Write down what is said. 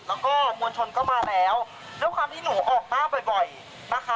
แล้วก็มวลชนก็มาแล้วด้วยความที่หนูออกหน้าบ่อยนะคะ